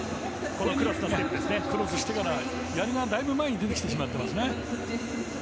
クロスしてからやりがだいぶ前に出てきてしまってます。